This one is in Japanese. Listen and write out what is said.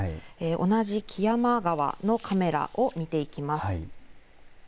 同じ木山川のカメラを見ていきます。